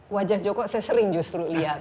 wajah joko saya sering justru lihat